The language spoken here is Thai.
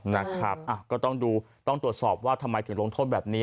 นะครับก็ต้องดูต้องตรวจสอบว่าทำไมถึงลงโทษแบบนี้